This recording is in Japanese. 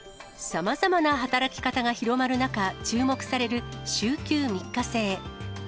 さまざまな働き方が広まる中、注目される週休３日制。